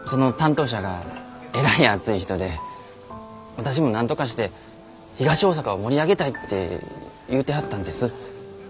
私もなんとかして東大阪を盛り上げたいって言うてはったんです。